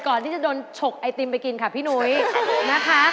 ก่อนที่จะโดนฉกไอติมไปกินค่ะพี่นุ้ยนะคะ